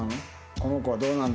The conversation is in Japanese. この子はどうなんだ？